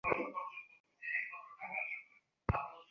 মিনিটগুলি একে একে পার হইয়া যাইতে থাকে।